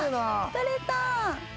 取れた。